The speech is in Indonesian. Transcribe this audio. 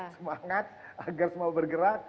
semangat agar semua bergerak